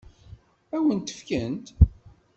Ad wen-t-fkent?